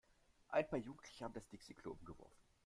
Ein paar Jugendliche haben das Dixi-Klo umgeworfen.